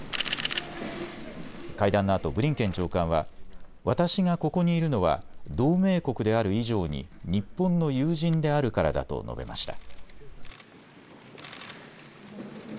会談のあとブリンケン長官は私がここにいるのは同盟国である以上に日本の友人であるからだと述べました。